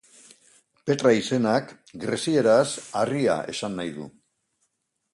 Petra izenak, grezieraz, harria esan nahi du.